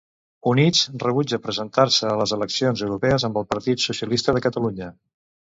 Units rebutja presentar-se a les eleccions europees amb el Partit Socialista de Catalunya.